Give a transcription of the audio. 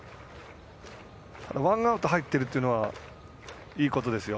ワンアウト入ってるというのはいいことですよ。